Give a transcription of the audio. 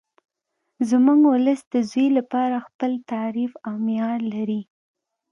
زموږ ولس د زوی لپاره خپل تعریف او معیار لري